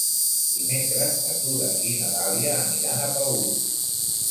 Dimecres na Tura i na Dàlia aniran a Paüls.